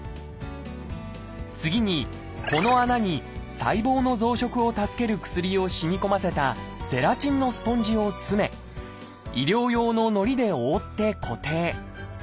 次にこの穴に細胞の増殖を助ける薬を染み込ませたゼラチンのスポンジを詰め医療用の糊で覆って固定。